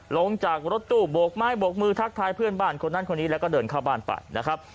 ลงจากรถตู้โบกไม้โบกมือทักทายเพื่อนบ้านคนนั้นคนนี้แล้วก็เดินเข้าบ้านไปนะครับ